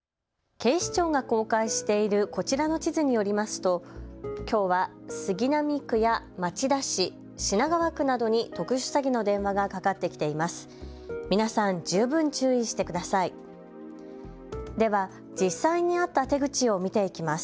警視庁が公開しているこちらの地図によりますときょうは杉並区や町田市、品川区などに特殊詐欺の電話がかかってきています。